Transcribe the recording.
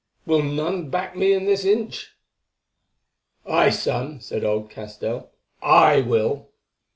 Will none back me at this inch?" "Aye, son," said old Castell, "I will."